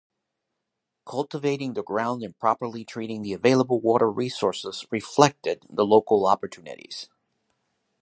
Cultivating the ground and properly treating the available water resources reflected the local opportunities.